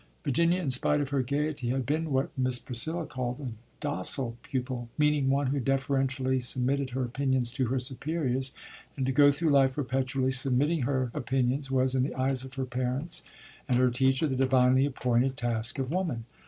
Virginia, in spite of her gaiety, had been what Miss Priscilla called "a docile pupil," meaning one who deferentially submitted her opinions to her superiors, and to go through life perpetually submitting her opinions was, in the eyes of her parents and her teacher, the divinely appointed task of woman.